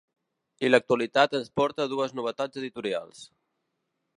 I l’actualitat ens porta dues novetats editorials.